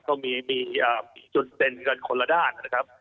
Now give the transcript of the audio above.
ก็มีจุดเด่นกันคนละด้านนะครับ